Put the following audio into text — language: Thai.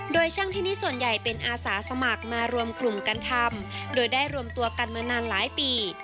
โดยช่างที่นี่ส่วนใหญ่เป็นอาสาสมัครมารวมกลุ่มกันทำโดยได้รวมตัวกันมานานหลายปี